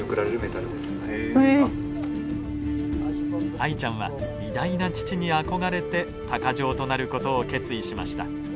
アイちゃんは偉大な父に憧れて鷹匠となる事を決意しました。